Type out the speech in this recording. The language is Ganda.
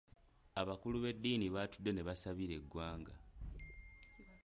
Abakulu b’eddiini baatudde ne basabira eggwanga.